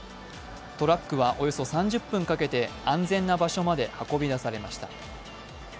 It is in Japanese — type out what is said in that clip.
トラックはおよそ３０分かけて安全な場所まで運び出されました。